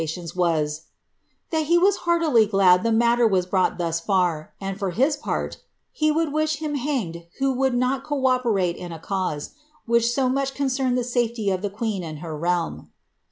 ns was, "tTial he was heariiTv glad the mailer was brought thus far, an J, for his j«rl, ■ lifi "■<Jiihl ti h him hanged who would not co operate in a cause, which so much cod cemed the safely of the queen ami her realm.'"